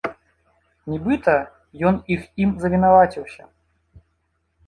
Нібыта, ён іх ім завінаваціўся.